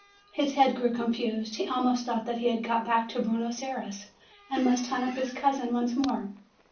His head grew confused; he almost thought that he had got back to Buenos Ayres, and must hunt up his cousin once more.